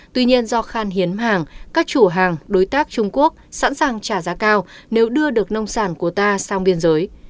tuy nhiên do khan hiếm hàng các chủ hàng đối tác trung quốc sẵn sàng trả giá cao nếu đưa được nông sản của ta sang biên giới